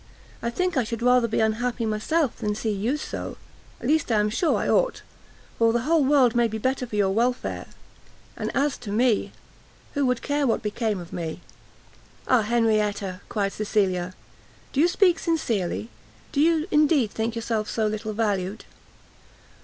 I think I should rather be unhappy myself, than see you so; at least I am sure I ought, for the whole world may be the better for your welfare, and as to me, who would care what became of me!" "Ah Henrietta!" cried Cecilia, "do you speak sincerely? do you indeed think yourself so little valued?"